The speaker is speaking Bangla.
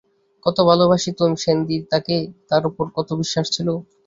কত ভালোবাসিত সেনদিদি তাকে, তার উপর কত বিশ্বাস ছিল।